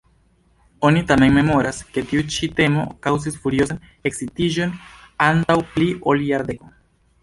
Oni tamen memoras, ke tiu ĉi temo kaŭzis furiozan ekscitiĝon antaŭ pli ol jardeko.